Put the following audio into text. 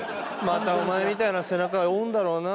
またお前みたいな背中追うんだろうな。